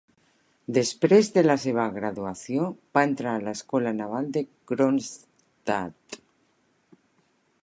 Després de la seva graduació, va entrar a l'escola naval de Kronstadt.